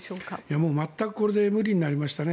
もう全くこれで無理になりましたね。